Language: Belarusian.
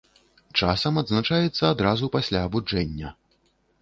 Часам адзначаецца адразу пасля абуджэння.